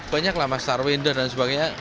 banyak lah mas tarwinda dan sebagainya